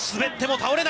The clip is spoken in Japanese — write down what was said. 倒れない。